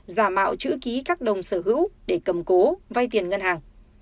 giả mạo chữ ký các đồng sở hữu để cầm cố vay tiền ngân hàng